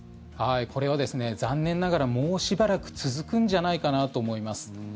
これは残念ながらもうしばらく続くんじゃないかと思います。